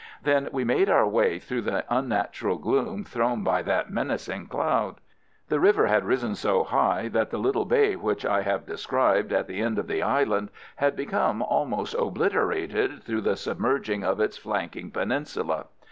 Then we made our way through the unnatural gloom thrown by that menacing cloud. The river had risen so high that the little bay which I have described at the end of the island had become almost obliterated through the submerging of its flanking peninsula.